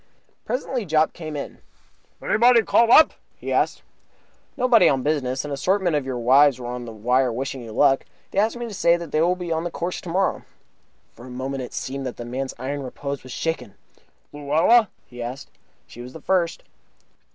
Presently Jopp came in. "Anybody called up?" he asked. "Nobody on business. An assortment of your wives were on the wire wishing you luck. They asked me to say that they will be on the course tomorrow." For a moment it seemed to me that the man's iron repose was shaken. "Luella?" he asked. "She was the first."